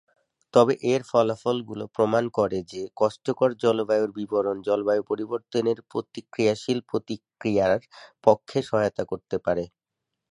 তবে এর ফলাফলগুলি প্রমাণ করে যে কষ্টকর জলবায়ুর বিবরণ জলবায়ু পরিবর্তনের প্রতিক্রিয়াশীল প্রতিক্রিয়ার পক্ষে সহায়তা করতে পারে।